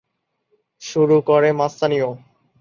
শুরু করে মস্তানিও।